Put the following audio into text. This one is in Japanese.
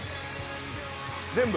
全部？